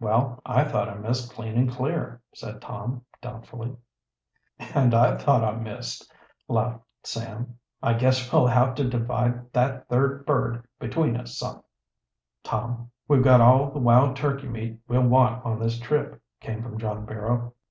"Well, I thought I missed clean and clear," said Tom doubtfully. "And I thought I missed," laughed Sam. "I guess we'll have to divide that third bird between us, Tom." "We've got all the wild turkey meat we'll want on this trip," came from John Barrow.